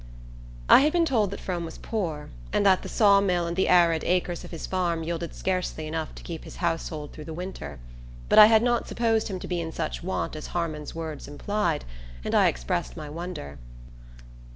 I had been told that Frome was poor, and that the saw mill and the arid acres of his farm yielded scarcely enough to keep his household through the winter; but I had not supposed him to be in such want as Harmon's words implied, and I expressed my wonder.